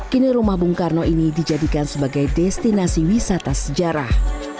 kini rumah bung karno ini dijadikan sebagai destinasi wisata sejarah